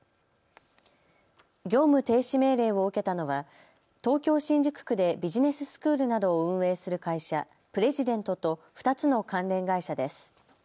業務停止命令を受けたのは東京新宿区でビジネススクールなどを運営する会社、Ｐｒｅｓｉｄｅｎｔと２つの関連会社です。